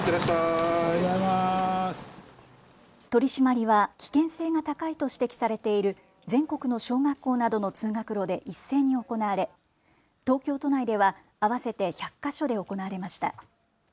取締りは危険性が高いと指摘されている全国の小学校などの通学路で一斉に行われ東京都内では合わせて１００か所で行われました。